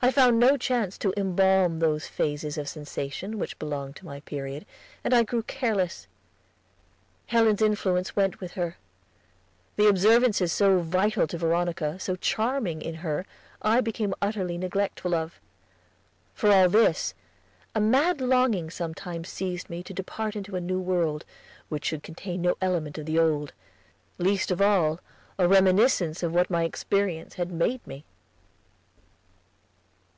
I found no chance to embalm those phases of sensation which belonged to my period, and I grew careless; Helen's influence went with her. The observances so vital to Veronica, so charming in her, I became utterly neglectful of. For all this a mad longing sometimes seized me to depart into a new world, which should contain no element of the old, least of all a reminiscence of what my experience had made me.